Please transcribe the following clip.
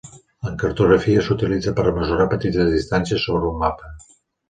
En cartografia s'utilitza per a mesurar petites distàncies sobre un mapa.